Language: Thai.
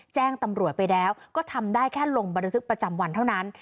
แจ้งตำรวจไปแล้วก็ทำได้แค่ลงบันทึกประจำวันเท่านั้น